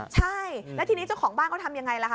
ใช่แล้วทีนี้เจ้าของบ้านเขาทำยังไงล่ะคะ